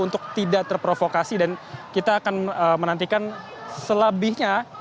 untuk tidak terprovokasi dan kita akan menantikan selebihnya